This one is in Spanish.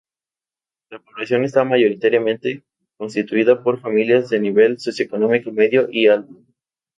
La población está mayoritariamente constituida por familias de nivel socioeconómico medio y alto.